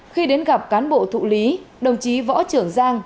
khi đến gặp cán bộ thụ lý đồng chí võ trưởng giang